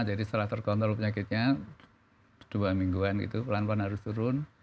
jadi setelah terkontrol penyakitnya dua mingguan gitu pelan pelan harus turun